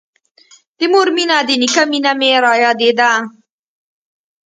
د مور مينه د نيکه مينه مې رايادېده.